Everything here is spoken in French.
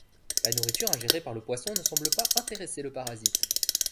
La nourriture ingérée par le poisson ne semble pas intéresser le parasite.